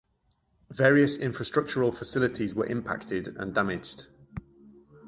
Various infrastructural facilities were impacted and damaged.